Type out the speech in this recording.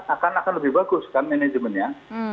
akan akan lebih bagus kan manajemennya